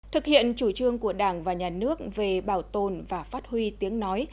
thực hiện chủ trương của đảng và nhà nước về bảo tồn và phát huy tiếng nói